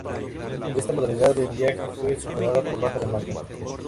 Esta modalidad de viaje fue suspendida por baja demanda.